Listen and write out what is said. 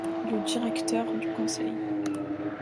Le directeur du conseil.